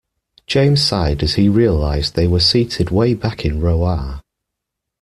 James sighed as he realized they were seated way back in row R.